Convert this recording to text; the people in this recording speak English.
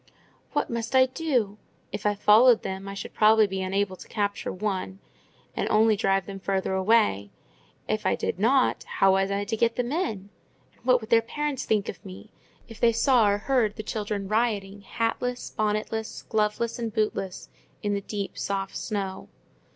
What must I do? If I followed them, I should probably be unable to capture one, and only drive them farther away; if I did not, how was I to get them in? And what would their parents think of me, if they saw or heard the children rioting, hatless, bonnetless, gloveless, and bootless, in the deep soft snow?